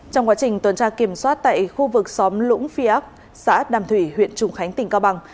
trong quá trình tuần tra kiểm soát tại khu vực xóm lũng phía ác xã đàm thủy huyện trùng khánh tỉnh cao bằng